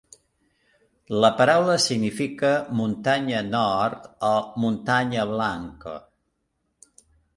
La paraula significa "muntanya nord" o "muntanya blanca".